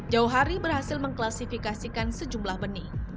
jauh hari berhasil mengklasifikasikan sejumlah benih